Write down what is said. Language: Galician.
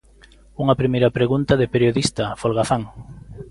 Unha primeira pregunta de periodista folgazán.